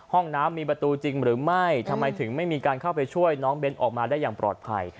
ห้องน้ำมีประตูจริงหรือไม่ทำไมถึงไม่มีการเข้าไปช่วยน้องเบ้นออกมาได้อย่างปลอดภัย